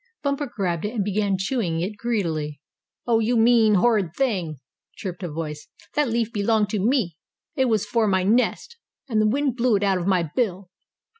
Bumper grabbed it, and began chewing it greedily. "Oh, you mean, horrid thing!" chirped a voice. "That leaf belonged to me. It was for my nest, and the wind blew it out of my bill."